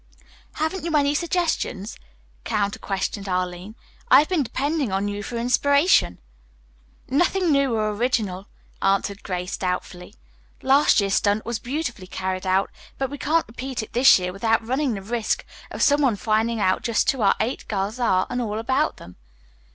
"Haven't you any suggestions?" counter questioned Arline. "I have been depending on you for inspiration." "Nothing new or original," answered Grace doubtfully. "Last year's stunt was beautifully carried out, but we can't repeat it this year without running the risk of some one finding out just who our eight girls are and all about them.